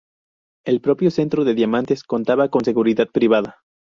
El propio centro de diamantes contaba con seguridad privada.